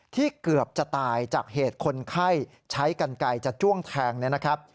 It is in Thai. เกือบจะตายจากเหตุคนไข้ใช้กันไกลจะจ้วงแทงเนี่ยนะครับ